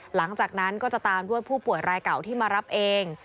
หลังจากนั้นก็จะตามด้วยผู้ป่วยรายเก่าที่มารับเอง